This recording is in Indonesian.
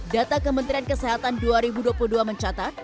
data kementerian kesehatan dua ribu dua puluh dua mencatat